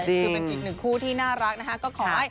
ถือเป็นอีกหนึ่งคู่ที่น่ารักนะฮะ